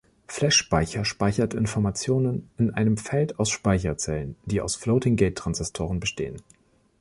Flash-Speicher speichert Informationen in einem Feld aus Speicherzellen, die aus Floating-Gate-Transistoren bestehen.